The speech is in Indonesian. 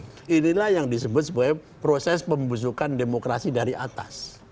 karena yang disebut sebagai proses pembusukan demokrasi dari atas